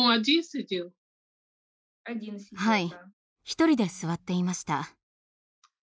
一人で座っていました。